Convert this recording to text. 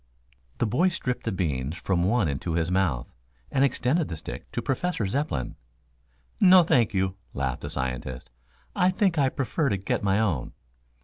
The boy stripped the beans from one into his mouth and extended the stick to Professor Zepplin. "No, thank you," laughed the scientist. "I think I prefer to get my own."